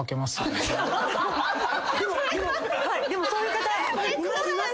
でもそういう方います。